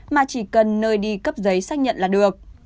mà chỉ cần nơi đi cấp giấy xác nhận là được